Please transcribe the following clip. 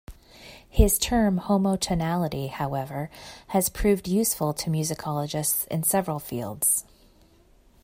His term "homotonality", however, has proved useful to musicologists in several fields.